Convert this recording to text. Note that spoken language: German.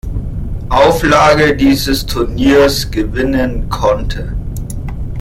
Auflage dieses Turniers gewinnen konnte.